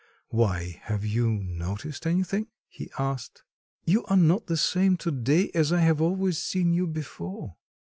"Why, have you noticed anything?" he asked. "You are not the same to day as I have always seen you before."